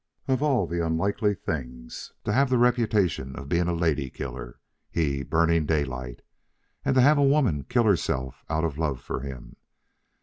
Of all unlikely things, to have the reputation of being a lady killer, he, Burning Daylight, and to have a woman kill herself out of love for him.